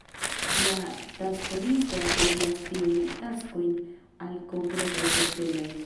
La taskolisto atribuas tiajn taskojn al konkretaj postenoj.